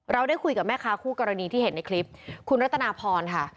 เราได้คุยกับแม่ค้าคู่กรณีที่เห็นในคลิปคุณรัตนาพรค่ะ